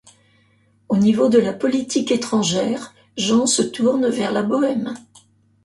Au niveau de la politique étrangère, Jean se tourne vers la Bohême.